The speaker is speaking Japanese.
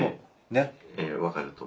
ええ分かると思います。